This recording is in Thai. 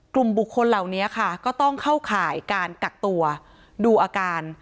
กลุ่มบุคคลเหล่านี้ค่ะก็ต้องเข้าข่ายการกักตัวดูอาการ